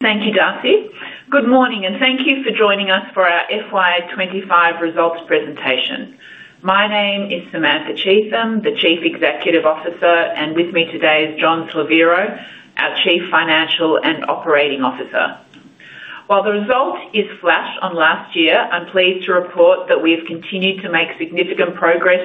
Thank you, Darcy. Good morning, and thank you for joining us for our FY 2025 results presentation. My name is Samantha Cheetham, the Chief Executive Officer, and with me today is John Slaviero, our Chief Financial and Operating Officer. While the result is flat on last year, I'm pleased to report that we have continued to make significant progress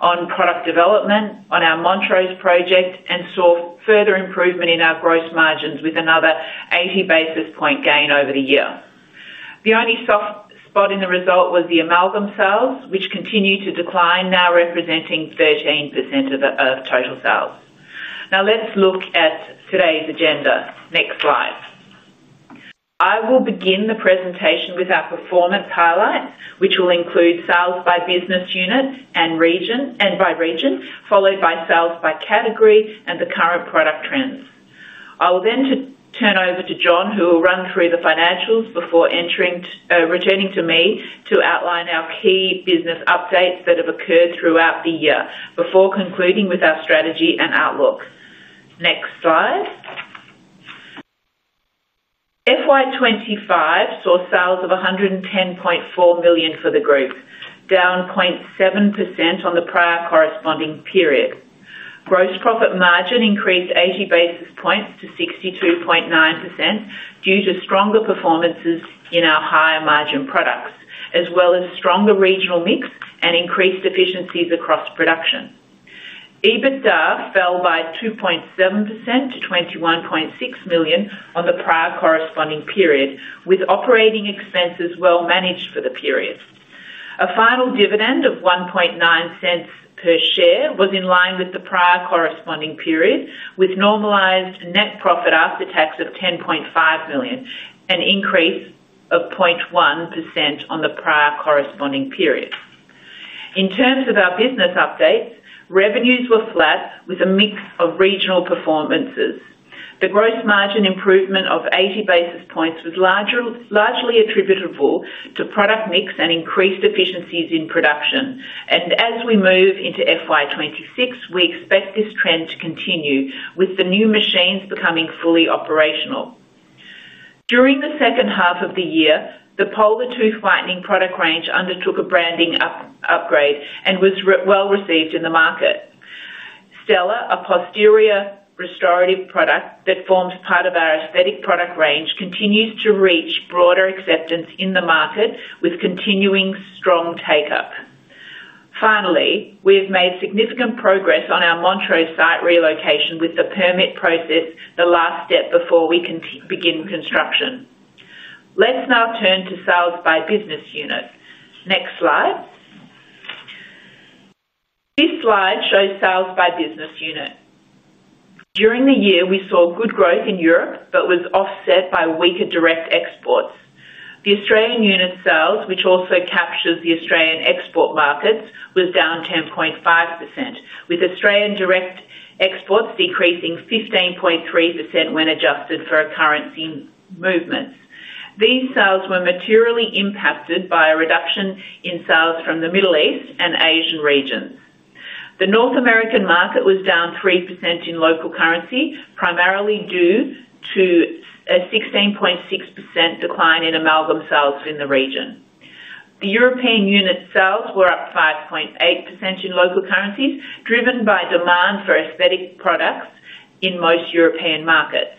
on product development, on our Montrose project, and saw further improvement in our gross margins with another 80 basis point gain over the year. The only soft spot in the result was the amalgam sales, which continue to decline, now representing 13% of total sales. Now let's look at today's agenda. Next slide. I will begin the presentation with our performance highlight, which will include sales by business unit and by region, followed by sales by category and the current product trends. I will then turn over to John, who will run through the financials before returning to me to outline our key business updates that have occurred throughout the year before concluding with our strategy and outlook. Next slide. FY 2025 saw sales of $110.4 million for the group, down 0.7% on the prior corresponding period. Gross profit margin increased 80 basis points to 62.9% due to stronger performances in our higher margin products, as well as stronger regional mix and increased efficiencies across production. EBITDA fell by 2.7% to $21.6 million on the prior corresponding period, with operating expenses well managed for the period. A final dividend of $0.019 per share was in line with the prior corresponding period, with normalized net profit after tax of $10.5 million, an increase of 0.1% on the prior corresponding period. In terms of our business updates, revenues were flat with a mix of regional performances. The gross margin improvement of 80 basis points was largely attributable to product mix and increased efficiencies in production. As we move into FY 2026, we expect this trend to continue with the new machines becoming fully operational. During the second half of the year, the Pola Tooth Whitening product range undertook a branding upgrade and was well received in the market. Stella, a posterior restorative product that forms part of our aesthetic product range, continues to reach broader acceptance in the market with continuing strong take-up. Finally, we have made significant progress on our Montrose site relocation with the permit process the last step before we begin construction. Let us now turn to sales by business unit. Next slide. This slide shows sales by business unit. During the year, we saw good growth in Europe but was offset by weaker direct exports. The Australian unit sales, which also captures the Australian export markets, were down 10.5%, with Australian direct exports decreasing 15.3% when adjusted for our currency movements. These sales were materially impacted by a reduction in sales from the Middle East and Asian regions. The North American market was down 3% in local currency, primarily due to a 16.6% decline in amalgam sales in the region. The European unit sales were up 5.8% in local currencies, driven by demand for aesthetic products in most European markets.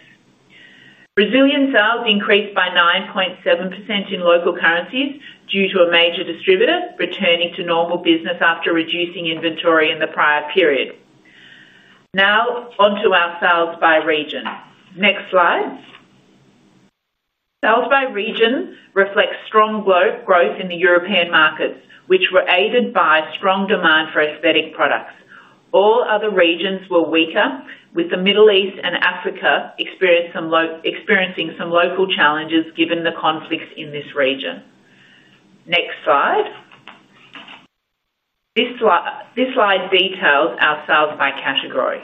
Brazilian sales increased by 9.7% in local currencies due to a major distributor returning to normal business after reducing inventory in the prior period. Now onto our sales by region. Next slide. Sales by region reflect strong growth in the European markets, which were aided by strong demand for aesthetic products. All other regions were weaker, with the Middle East and Africa experiencing some local challenges given the conflicts in this region. Next slide. This slide details our sales by category.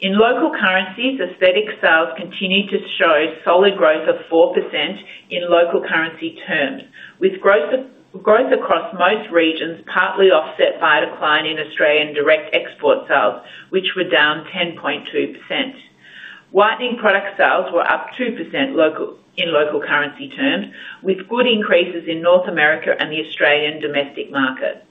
In local currencies, aesthetic sales continue to show solid growth of 4% in local currency terms, with growth across most regions partly offset by a decline in Australian direct export sales, which were down 10.2%. Whitening product sales were up 2% in local currency terms, with good increases in North America and the Australian domestic market.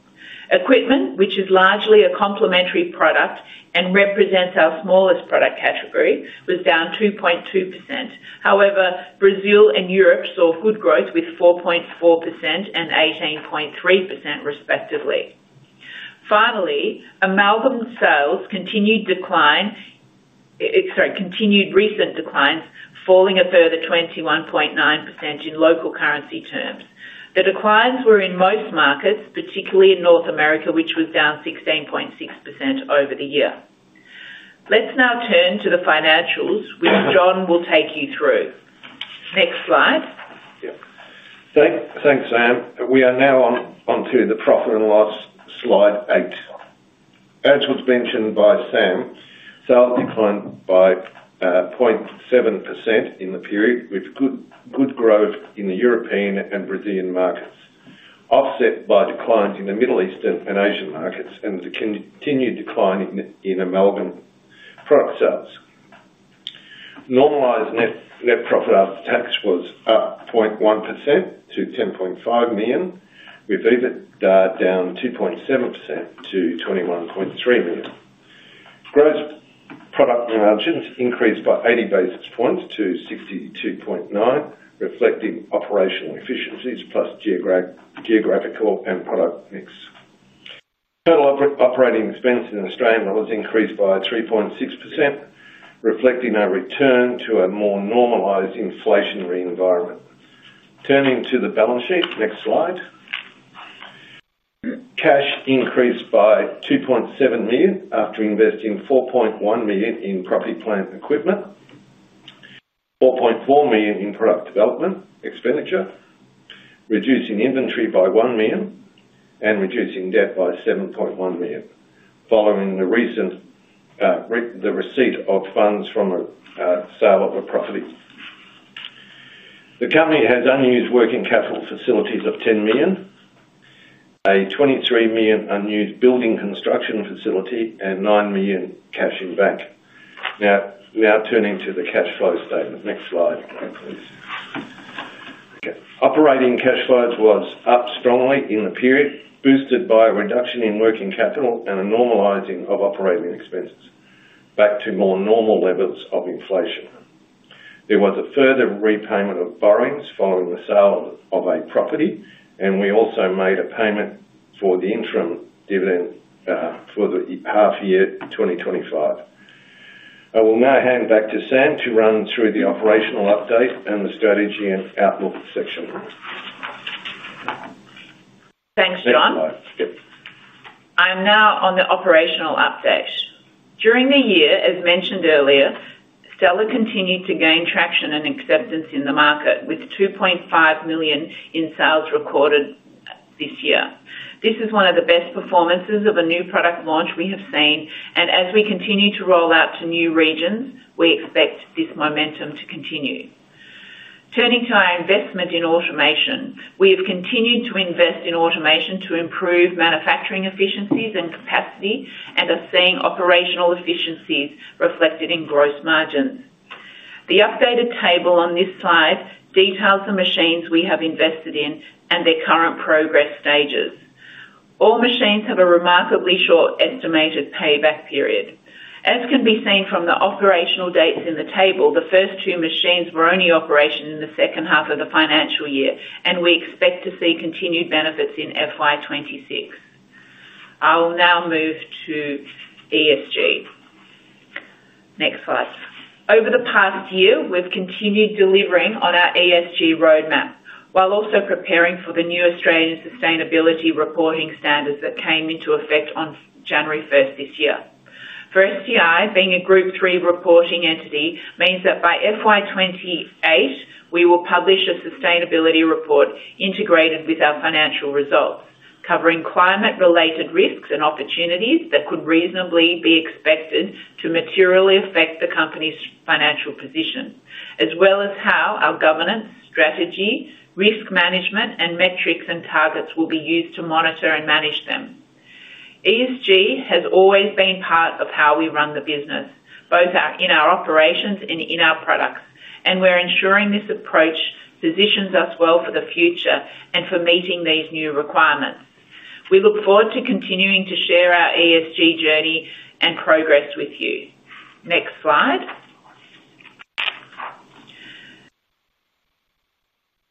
Equipment, which is largely a complementary product and represents our smallest product category, was down 2.2%. However, Brazil and Europe saw good growth with 4.4% and 18.3% respectively. Finally, amalgam sales continued recent declines, falling a further 21.9% in local currency terms. The declines were in most markets, particularly in North America, which was down 16.6% over the year. Let's now turn to the financials, which John will take you through. Next slide. Yeah. Thanks, Sam. We are now onto the profit and loss slide 8. As was mentioned by Sam, sales declined by 0.7% in the period, with good growth in the European and Brazilian markets, offset by declines in the Middle Eastern and Asian markets, and the continued decline in amalgam product sales. Normalized net profit after tax was up 0.1% to $10.5 million, with EBITDA down 2.7% to $21.3 million. Gross product margins increased by 80 basis points to 62.9%, reflecting operational efficiencies plus geographical and product mix. Total operating expense in Australian dollars increased by 3.6%, reflecting a return to a more normalized inflationary environment. Turning to the balance sheet, next slide. Cash increased by $2.7 million after investing $4.1 million in property, plant, and equipment, $4.4 million in product development expenditure, reducing inventory by $1 million, and reducing debt by $7.1 million, following the recent receipt of funds from a sale of a property. The company has unused working capital facilities of $10 million, a $23 million unused building construction facility, and $9 million cash in bank. Now turning to the cash flow statement. Next slide, please. Okay. Operating cash flows was up strongly in the period, boosted by a reduction in working capital and a normalizing of operating expenses back to more normal levels of inflation. There was a further repayment of borrowings following the sale of a property, and we also made a payment for the interim dividend for the half year 2025. I will now hand back to Sam to run through the operational update and the strategy and outlook section. Thanks, John. Next slide. I am now on the operational update. During the year, as mentioned earlier, Stella continued to gain traction and acceptance in the market, with $2.5 million in sales recorded this year. This is one of the best performances of a new product launch we have seen. As we continue to roll out to new regions, we expect this momentum to continue. Turning to our investment in automation, we have continued to invest in automation to improve manufacturing efficiencies and capacity, and are seeing operational efficiencies reflected in gross margins. The updated table on this slide details the machines we have invested in and their current progress stages. All machines have a remarkably short estimated payback period. As can be seen from the operational dates in the table, the first two machines were only operational in the second half of the financial year, and we expect to see continued benefits in FY 2026. I will now move to ESG. Next slide. Over the past year, we've continued delivering on our ESG roadmap while also preparing for the new Australian sustainability reporting standards that came into effect on January 1st, this year. For SDI Ltd, being a Group 3 reporting entity means that by FY 2028, we will publish a sustainability report integrated with our financial results, covering climate-related risks and opportunities that could reasonably be expected to materially affect the company's financial position, as well as how our governance strategy, risk management, and metrics and targets will be used to monitor and manage them. ESG has always been part of how we run the business, both in our operations and in our products, and we're ensuring this approach positions us well for the future and for meeting these new requirements. We look forward to continuing to share our ESG journey and progress with you. Next slide.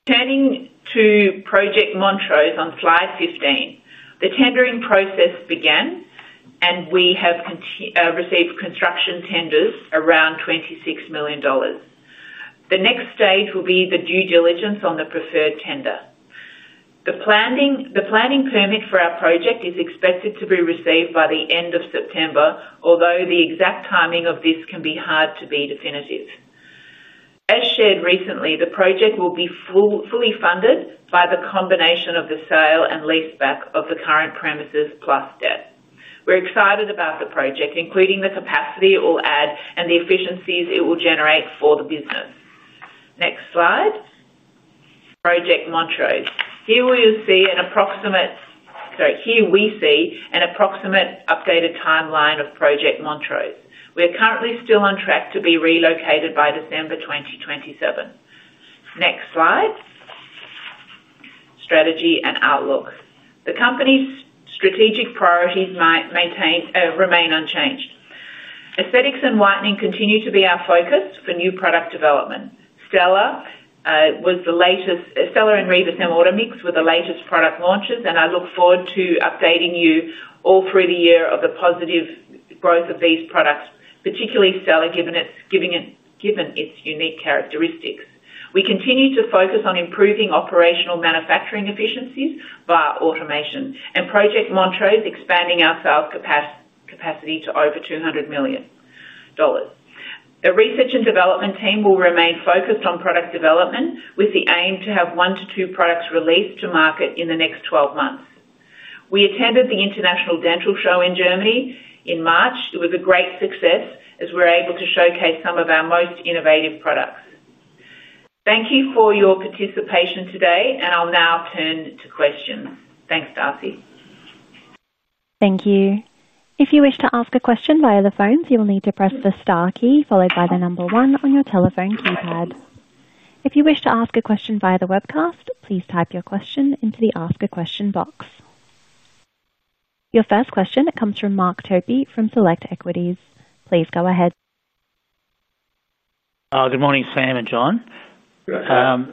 Turning to Project Montrose on slide 15, the tendering process began, and we have received construction tenders around $26 million. The next stage will be the due diligence on the preferred tender. The planning permit for our project is expected to be received by the end of September, although the exact timing of this can be hard to be definitive. As shared recently, the project will be fully funded by the combination of the sale and leaseback of the current premises plus debt. We're excited about the project, including the capacity it will add and the efficiencies it will generate for the business. Next slide. Project Montrose. Here we see an approximate updated timeline of Project Montrose. We're currently still on track to be relocated by December 2027. Next slide. Strategy and outlook. The company's strategic priorities remain unchanged. Aesthetics and whitening continue to be our focus for new product development. Stella and Revis and Order Mix were the latest product launches, and I look forward to updating you all through the year of the positive growth of these products, particularly Stella, given its unique characteristics. We continue to focus on improving operational manufacturing efficiencies via automation and Project Montrose, expanding our sales capacity to over $200 million. The research and development team will remain focused on product development, with the aim to have one to two products released to market in the next 12 months. We attended the International Dental Show in Germany in March. It was a great success, as we were able to showcase some of our most innovative products. Thank you for your participation today, and I'll now turn to questions. Thanks, Darcy. Thank you. If you wish to ask a question via the phones, you will need to press the star key followed by the number one on your telephone keypad. If you wish to ask a question via the webcast, please type your question into the ask a question box. Your first question comes from Mark Topy from Select Equities. Please go ahead. Good morning, Sam and John. Just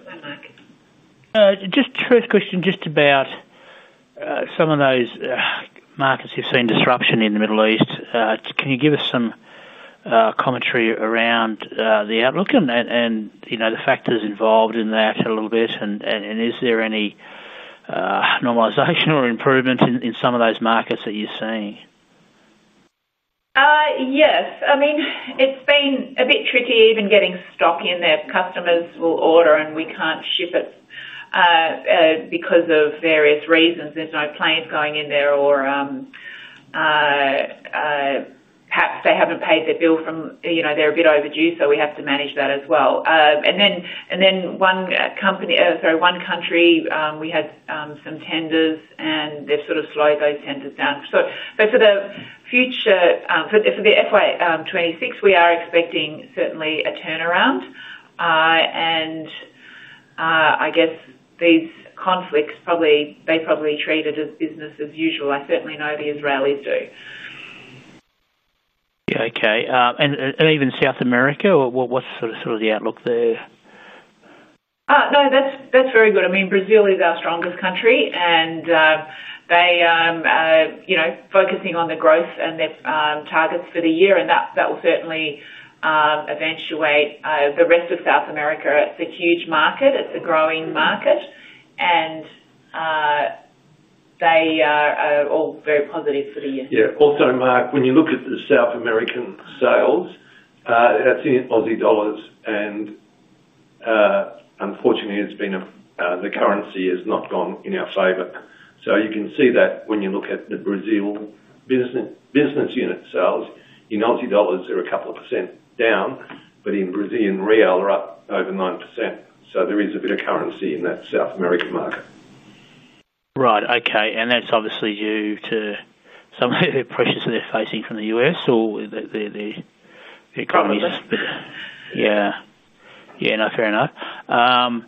a first question just about some of those markets who've seen disruption in the Middle East. Can you give us some commentary around the outlook and the factors involved in that a little bit? Is there any normalisation or improvement in some of those markets that you're seeing? Yes. I mean, it's been a bit tricky even getting stock in that customers will order and we can't ship it because of various reasons. There are no planes going in there, or perhaps they haven't paid their bill from, you know, they're a bit overdue, so we have to manage that as well. One country, we had some tenders, and they've sort of slowed those tenders down. For the future, for the FY 2026, we are expecting certainly a turnaround. I guess these conflicts probably, they probably treat it as business as usual. I certainly know the Israelis do. Okay. Even South America, what's sort of the outlook there? No, that's very good. I mean, Brazil is our strongest country, and they're focusing on the growth and their targets for the year. That will certainly eventuate the rest of South America. It's a huge market, a growing market, and they are all very positive for the year. Yeah. Also, Mark, when you look at the South American sales, that's in AUD. Unfortunately, the currency has not gone in our favor. You can see that when you look at the Brazil business unit sales, in AUD, they're a couple of percent down, but in Brazilian real, they're up over 9%. There is a bit of currency in that South American market. Right. Okay. That's obviously due to some of the pressures that they're facing from the U.S. or the economies? Yeah. Yeah, no, fair enough. On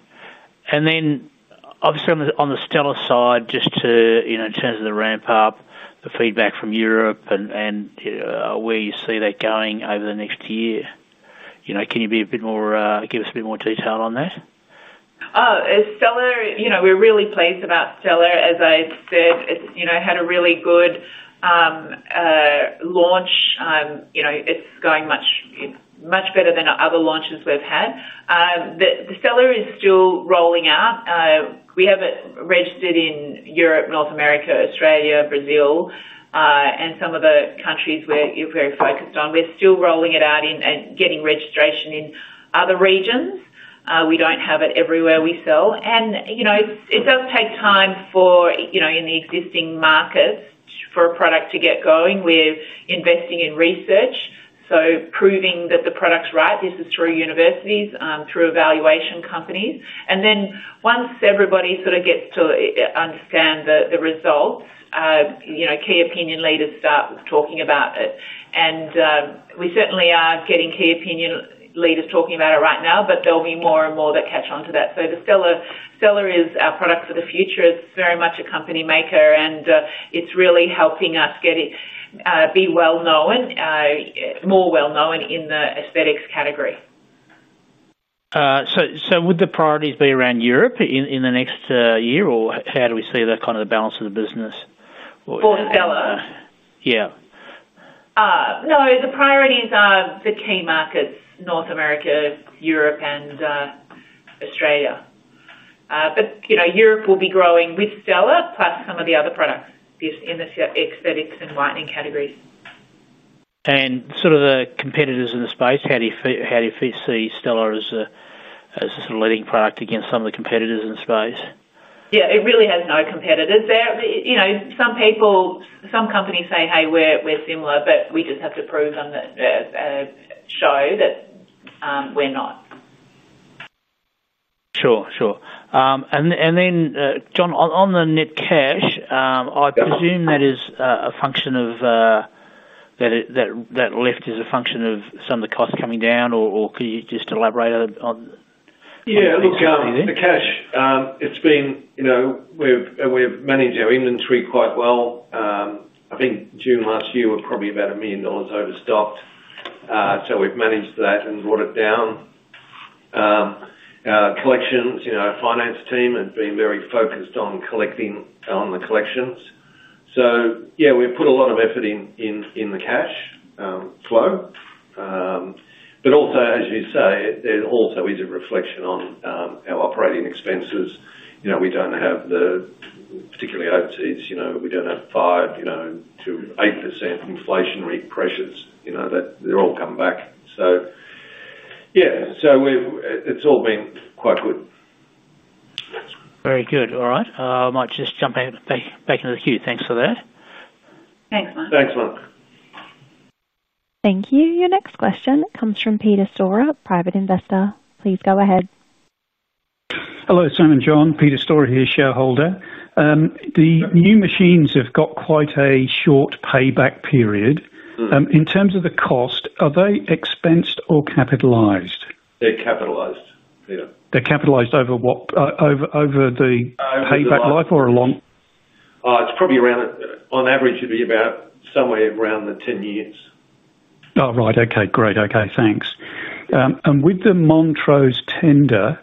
the Stella side, just in terms of the ramp-up, the feedback from Europe, and where you see that going over the next year, can you be a bit more, give us a bit more detail on that? As Stella, you know, we're really pleased about Stella. As I said, it had a really good launch. It's going much, much better than other launches we've had. Stella is still rolling out. We have it registered in Europe, North America, Australia, Brazil, and some of the countries we're very focused on. We're still rolling it out and getting registration in other regions. We don't have it everywhere we sell. It does take time for, in the existing markets, for a product to get going. We're investing in research, proving that the product's right. This is through universities, through evaluation companies. Once everybody sort of gets to understand the results, key opinion leaders start talking about it. We certainly are getting key opinion leaders talking about it right now, but there'll be more and more that catch on to that. Stella is our product for the future. It's very much a company maker, and it's really helping us get it be well known, more well known in the aesthetics category. Would the priorities be around Europe in the next year, or how do we see the kind of the balance of the business? For Stella? Yeah. No, the priorities are the key markets, North America, Europe, and Australia. Europe will be growing with Stella plus some of the other products in the aesthetics and whitening categories. How do you see Stella as a sort of leading product against some of the competitors in the space? Yeah, it really has no competitors there. You know, some people, some companies say, "Hey, we're similar," but we just have to prove to them that we're not. Sure. John, on the net cash, I presume that is a function of that left, is a function of some of the costs coming down, or could you just elaborate on? Yeah, look, the cash, it's been, you know, we've managed our inventory quite well. I think June last year was probably about $1 million overstocked. We've managed that and brought it down. Collections, you know, finance team has been very focused on collecting on the collections. Yeah, we've put a lot of effort in the cash flow. Also, as you say, there's also a reflection on our operating expenses. You know, we don't have the, particularly overseas, you know, we don't have 5%-8% inflationary pressures. They're all coming back. Yeah, it's all been quite good. Very good. All right. I might just jump back into the queue. Thanks for that. Thanks, Mark. Thanks, Mark. Thank you. Your next question, it comes from Peter Stora, private investor. Please go ahead. Hello, Sam and John. Peter Stora here, shareholder. The new machines have got quite a short payback period. In terms of the cost, are they expensed or capitalized? They're capitalized, Peter. They're capitalized over what? Over the payback life or a long? It's probably around, on average, it'd be about somewhere around 10 years. Okay. Great. Thanks. With the Montrose tender,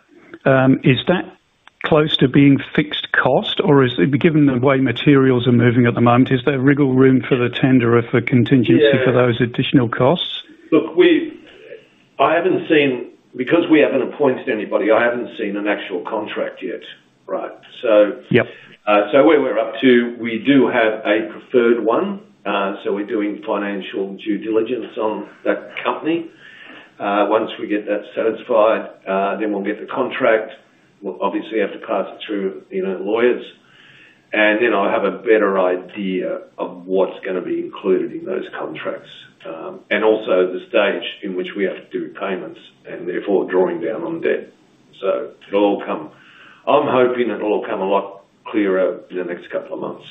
is that close to being fixed cost, or is it, given the way materials are moving at the moment, is there wriggle room for the tender or for contingency for those additional costs? I haven't seen, because we haven't appointed anybody, I haven't seen an actual contract yet, right? We do have a preferred one. We're doing financial due diligence on that company. Once we get that satisfied, we'll get the contract. We'll obviously have to pass it through lawyers. I'll have a better idea of what's going to be included in those contracts and also the stage in which we have to do repayments and therefore drawing down on debt. I'm hoping it'll all come a lot clearer in the next couple of months.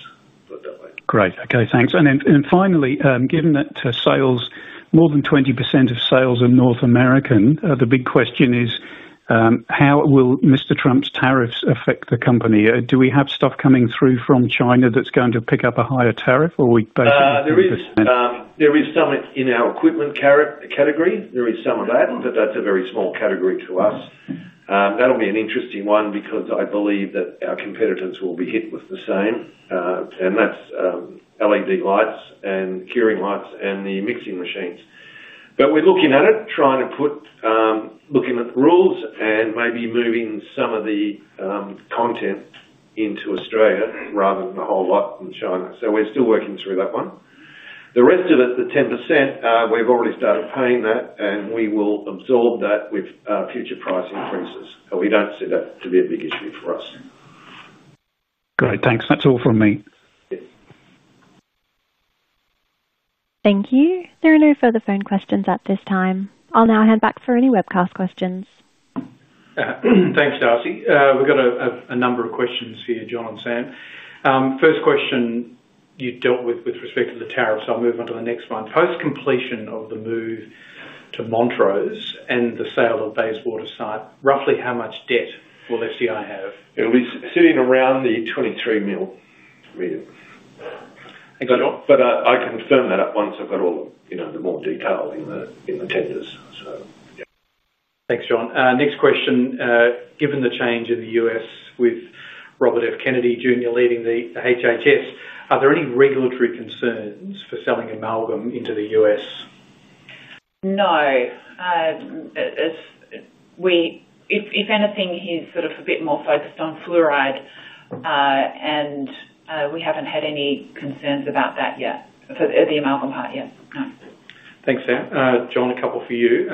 Put it that way. Great. Okay. Thanks. Finally, given that more than 20% of sales are North American, the big question is how will Mr. Trump's tariffs affect the company? Do we have stuff coming through from China that's going to pick up a higher tariff, or are we basically? There is some in our equipment category. There is some available, but that's a very small category to us. That'll be an interesting one because I believe that our competitors will be hit with the same. That's LED lights and curing lights and the mixing machines. We're looking at it, trying to put, looking at the rules and maybe moving some of the content into Australia rather than a whole lot in China. We're still working through that one. The rest of it, the 10%, we've already started paying that, and we will absorb that with future price increases. We don't see that to be a big issue for us. Great. Thanks. That's all from me. Thank you. There are no further phone questions at this time. I'll now hand back for any webcast questions. Thanks, Darcy. We've got a number of questions here, John and Sam. First question, you dealt with with respect to the tariffs. I'll move on to the next one. Post completion of the move to Montrose and the sale of Bayswater site, roughly how much debt will SDI Ltd have? It'll be sitting around $23 million. I can confirm that once I've got all the, you know, the more detail in the tenders. Yeah. Thanks, John. Next question. Given the change in the U.S. with Robert F. Kennedy Jr. leading the HHS, are there any regulatory concerns for selling amalgam into the U.S.? No. If anything, he's sort of a bit more focused on fluoride, and we haven't had any concerns about that yet for the amalgam part, yes. Thanks, Sam. John, a couple for you.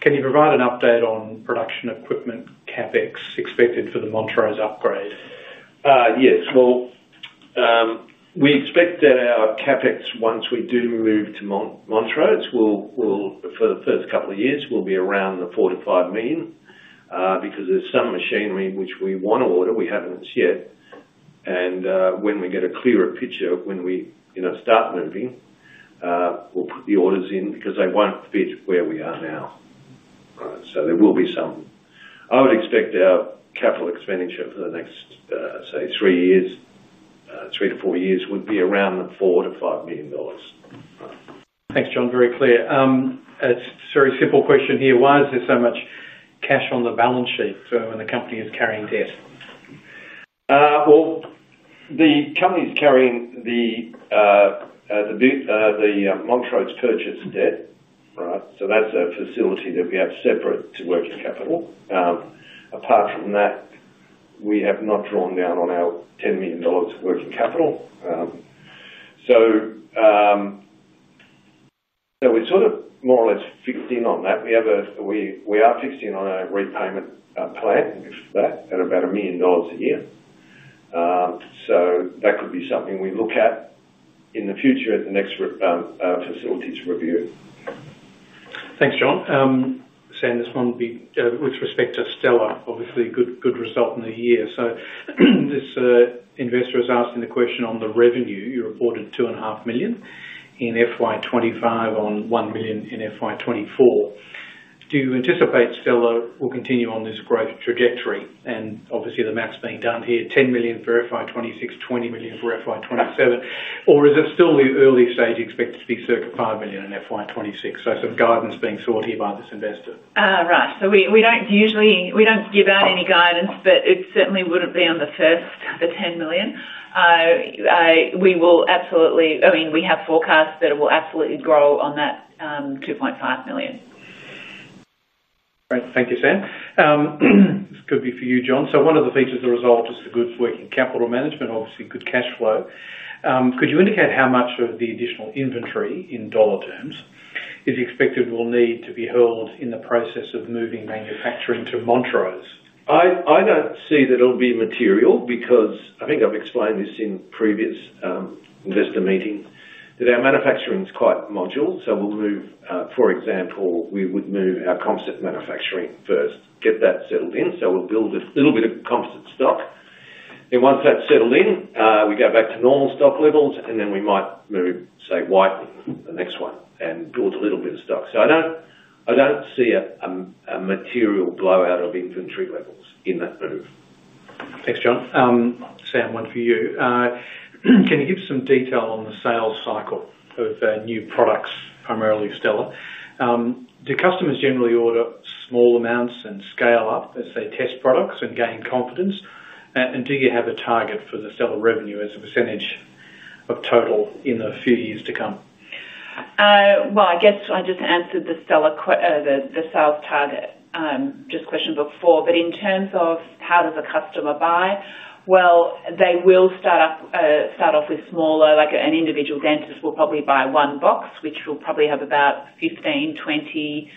Can you provide an update on production equipment capital expenditure expected for the Montrose upgrade? Yes. We expect our capital expenditure once we do move to Montrose, for the first couple of years, will be around $4 million-$5 million because there's some machinery which we want to order we haven't yet. When we get a clearer picture, when we start moving, we'll put the orders in because they won't fit where we are now. I would expect our capital expenditure for the next, say, three to four years, would be around $4 million-$5 million. Thanks, John. Very clear. A very simple question here. Why is there so much cash on the balance sheet when the company is carrying debt? The company's carrying the Montrose purchase debt, right? That's a facility that we have separate to working capital. Apart from that, we have not drawn down on our $10 million worth of capital. We're sort of more or less fixed in on that. We are fixed in on a repayment plan at about $1 million a year. That could be something we look at in the future at the next facility to review. Thanks, John. Sam, this one would be with respect to Stella. Obviously, good result in the year. This investor is asking the question on the revenue. You reported $2.5 million in FY 2025 on $1 million in FY 2024. Do you anticipate Stella will continue on this growth trajectory? Obviously, the math's being done here. $10 million for FY 2026, $20 million for FY 2027. Is it still the early stage expected to be circa $5 million in FY 2026? Some guidance being sought here by this investor. Right. We don't usually give out any guidance, but it certainly wouldn't be on the first $10 million. We will absolutely, I mean, we have forecasts that it will absolutely grow on that $2.5 million. Great. Thank you, Sam. This could be for you, John. One of the features of the result is the good for capital management, obviously, good cash flow. Could you indicate how much of the additional inventory in dollar terms is expected and will need to be held in the process of moving manufacturing to Montrose? I don't see that it'll be material because I think I've explained this in previous investor meetings, that our manufacturing is quite modular. We'll move, for example, we would move our composite manufacturing first, get that settled in. We'll build a little bit of composite stock. Once that's settled in, we go back to normal stock levels, and then we might move, say, whitening the next one and build a little bit of stock. I don't see a material blowout of inventory levels in that move. Thanks, John. Sam, one for you. Can you give some detail on the sales cycle of new products, primarily Stella? Do customers generally order small amounts and scale up as they test products and gain confidence? Do you have a target for the Stella revenue as a percentage of total in the few years to come? I just answered the sales target question before. In terms of how does a customer buy, they will start off with smaller, like an individual dentist will probably buy one box, which will probably have about 15, 20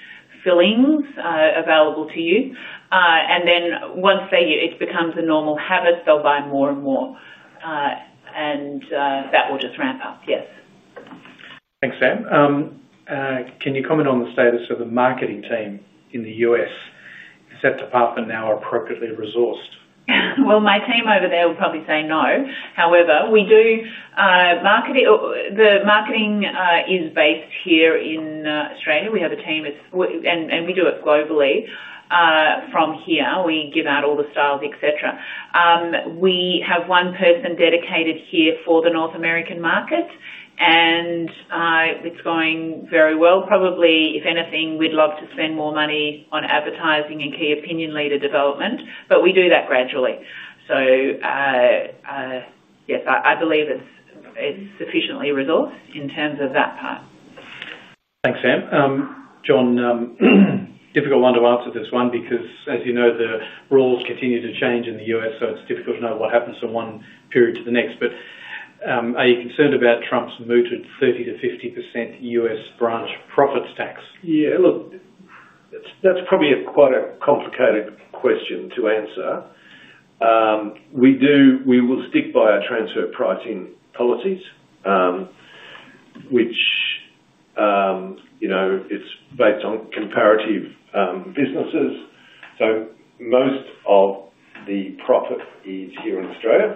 fillings available to you. Once it becomes a normal habit, they'll buy more and more. That will just ramp up, yes. Thanks, Sam. Can you comment on the status of the marketing team in the U.S.? Is that department now appropriately resourced? My team over there will probably say no. However, we do marketing. The marketing is based here in Australia. We have a team, and we do it globally from here. We give out all the styles, etc. We have one person dedicated here for the North American market, and it's going very well. Probably, if anything, we'd love to spend more money on advertising and key opinion leader development, but we do that gradually. Yes, I believe it's sufficiently resourced in terms of that part. Thanks, Sam. John, difficult one to answer this one because, as you know, the rules continue to change in the U.S., so it's difficult to know what happens from one period to the next. Are you concerned about Trump's mooted 30%-50% U.S. branch profits tax? That's probably quite a complicated question to answer. We will stick by our transfer pricing policies, which, you know, are based on comparative businesses. Most of the profit is here in Australia,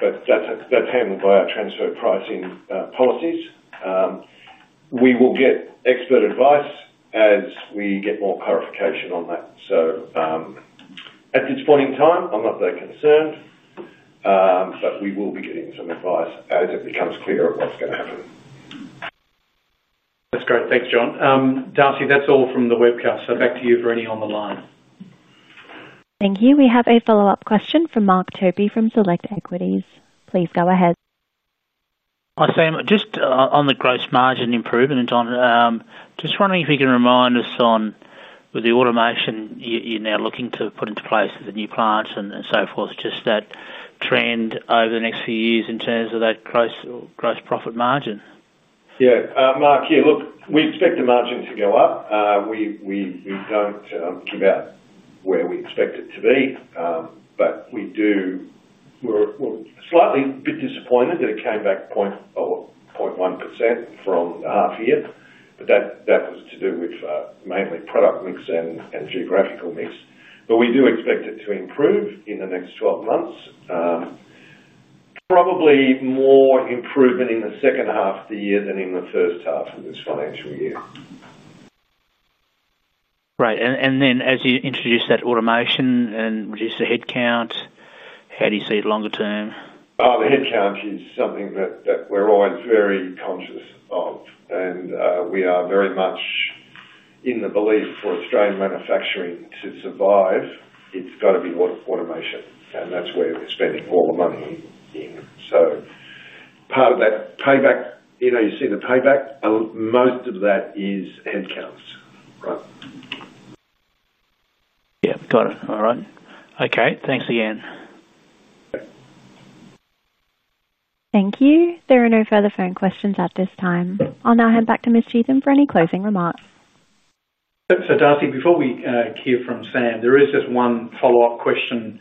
but that's handled by our transfer pricing policies. We will get expert advice as we get more clarification on that. At this point in time, I'm not very concerned, but we will be getting some advice as it becomes clearer what's going to happen. That's great. Thanks, John. Darcy, that's all from the webcast. Back to you for any on the line. Thank you. We have a follow-up question from Mark Toby from Select Equities. Please go ahead. Hi, Sam. Just on the gross margin improvement, John, just wondering if you can remind us on with the automation you're now looking to put into place with the new plant and so forth, just that trend over the next few years in terms of that gross profit margin. Yeah, Mark, yeah, look, we expect the margins to go up. We don't figure out where we expect it to be, but we do, we're slightly a bit disappointed that it came back 0.1% from the half year. That has to do with mainly product mix and geographical mix. We do expect it to improve in the next 12 months, probably more improvement in the second half of the year than in the first half of this financial year. Right. As you introduce that automation and reduce the headcount, how do you see the longer term? The headcount is something that we're always very conscious of. We are very much in the belief for Australian manufacturing to survive, it's got to be automation. That's where we're spending all the money in. Part of that payback, you see the payback, most of that is headcounts. Yeah, got it. All right. Okay. Thanks again. Thank you. There are no further phone questions at this time. I'll now hand back to Ms. Cheetham for any closing remarks. Darcy, before we hear from Sam, there is just one follow-up question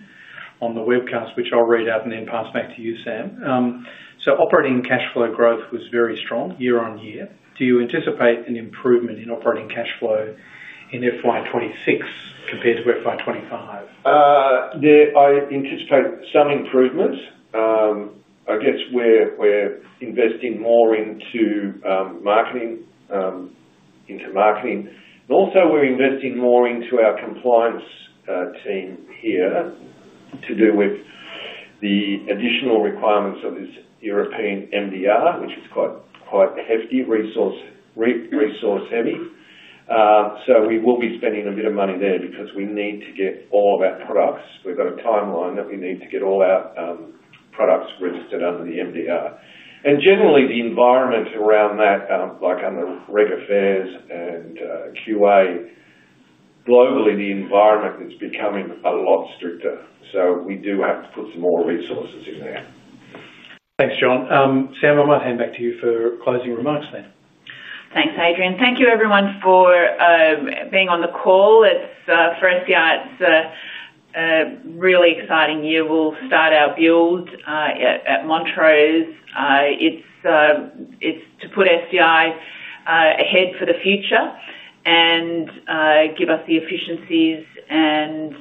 on the webcast, which I'll read out and then pass back to you, Sam. Operating cash flow growth was very strong year on year. Do you anticipate an improvement in operating cash flow in FY 2026 compared to FY 2025? Yeah, I anticipate some improvements. I guess we're investing more into marketing, into marketing. Also, we're investing more into our compliance team here to do with the additional requirements of this European MDR, which is quite hefty, resource-heavy. We will be spending a bit of money there because we need to get all of our products. We've got a timeline that we need to get all our products registered under the MDR. Generally, the environment around that, like under the Rate of Affairs and QA, globally, the environment is becoming a lot stricter. We do have to put some more resources in there. Thanks, John. Sam, I might hand back to you for closing remarks then. Thanks, Adrian. Thank you, everyone, for being on the call. It's our first year. It's a really exciting year. We'll start our build at Montrose. It's to put SDI Ltd ahead for the future and give us the efficiencies and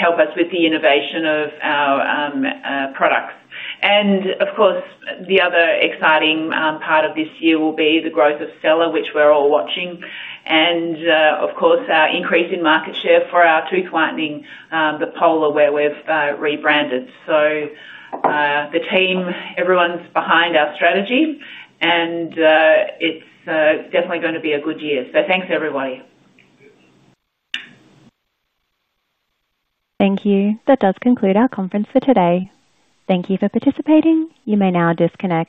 help us with the innovation of our products. The other exciting part of this year will be the growth of Stella, which we're all watching. Our increase in market share for our tooth whitening, the Pola, where we've rebranded. The team, everyone's behind our strategy, and it's definitely going to be a good year. Thanks, everybody. Thank you. That does conclude our conference for today. Thank you for participating. You may now disconnect.